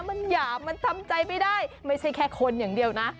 มันหยาบมันทำใจไม่ได้ไม่ใช่แค่คนอย่างเดียวนะ